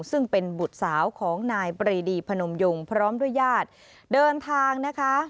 ซึ่งเป็นบุตรสาวของนายปรีดีพนมยงพร้อมด้วยญาติเดินทางนะคะ